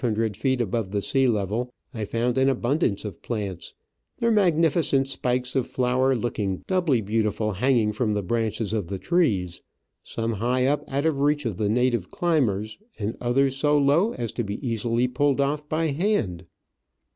Here, at an altitude of about 8,500 feet above the sea level, I found an abundance of plants, their magnificent spikes of flower looking doubly beautiful hanging from the branches of the trees, some high up out of reach of the native climbers, and others so low as to be easily pulled off by hand.